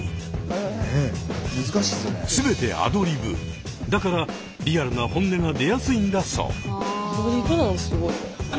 全てアドリブだからリアルな本音が出やすいんだそう。